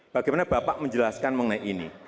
bagaimana bapak menjelaskan mengenai ini